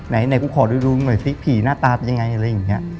ไหนกูขอดูหน่อยสิผีหน้าตาเป็นยังไงอะไรอย่างนี้